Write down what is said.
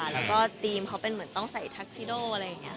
แล้วก็ธีมเขาเป็นเหมือนต้องใส่แท็กพิโดอะไรอย่างนี้